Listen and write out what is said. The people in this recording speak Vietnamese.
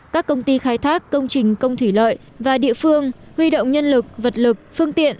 các công ty khai thác công trình công thủy lợi và địa phương huy động nhân lực vật lực phương tiện